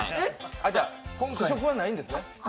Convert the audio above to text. じゃ、今回試食はないんですね。